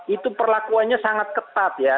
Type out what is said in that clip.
itu perlakuannya sangat ketat ya